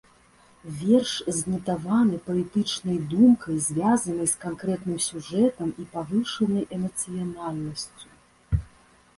Верш знітаваны паэтычнай думкай, звязанай з канкрэтным сюжэтам і павышанай эмацыянальнасцю.